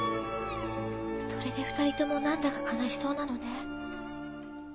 それで２人とも何だか悲しそうなのね。